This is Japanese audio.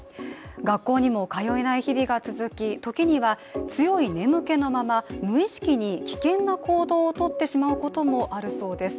学校にも通えない日々が続きときには、強い眠気のまま無意識に危険な行動をとってしまうこともあるそうです。